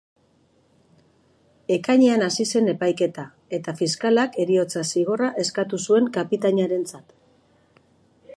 Ekainean hasi zen epaiketa, eta fiskalak heriotza-zigorra eskatu zuen kapitainarentzat.